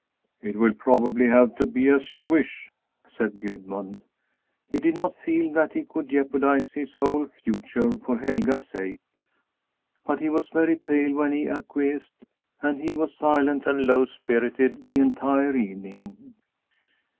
"It will probably have to be as you wish," said Gudmund. He did not feel that he could jeopardize his whole future for Helga's sake, but he was very pale when he acquiesced, and he was silent and low spirited the entire evening.